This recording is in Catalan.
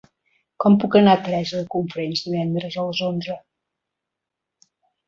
Com puc anar a Teresa de Cofrents divendres a les onze?